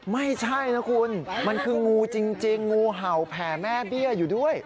ไม่ใช่นะคุณมันคืองูจริงงูเห่าแผ่แม่เบี้ยอยู่ด้วย